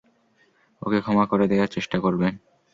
ওকে ক্ষমা করে দেয়ার চেষ্টা করবেন।